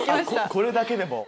これだけでも。